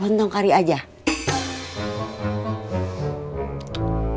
kamu nggak punya kue